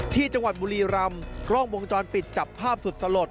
ที่จังหวัดบุรีรำกล้องวงจรปิดจับภาพสุดสลด